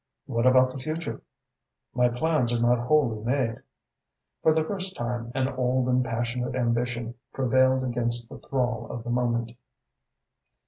"What about the future?" "My plans are not wholly made." For the first time, an old and passionate ambition prevailed against the thrall of the moment.